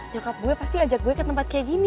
ya gue pasti ajak gue ke tempat kayak gini